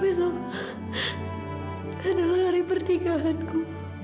besok adalah hari pertinggahanku